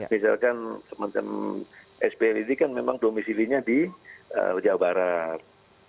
misalkan semacam sbl ini kan memang domisilinya di jawa barat